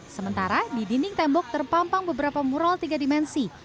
sementara di dinding tembok terpampang beberapa mural tiga dimensi